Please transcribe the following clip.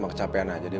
apa tuanku yang merungut